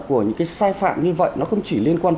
của những cái sai phạm như vậy nó không chỉ liên quan